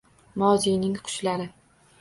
Moziyning qushlari